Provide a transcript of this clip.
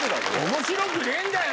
面白くねえんだよ！